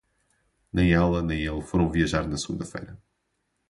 Nem ela e nem ele foram viajar na segunda-feira.